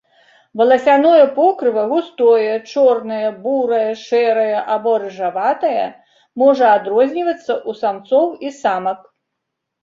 Валасяное покрыва густое, чорнае, бурае, шэрае або рыжаватае, можа адрознівацца ў самцоў і самак.